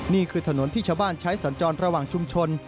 นี่คือถนนที่ชาวบ้านใช้สัญจรระหว่างชุมชน